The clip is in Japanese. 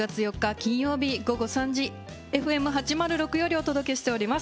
金曜日午後３時ＦＭ８０６よりお届けしております